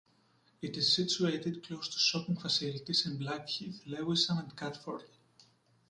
It is situated close to shopping facilities in Blackheath, Lewisham and Catford.